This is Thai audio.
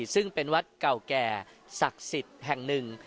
ซึ่งเป็นวัดเก่าแก่ศักดิ์สิทธิ์แห่งหนึ่ง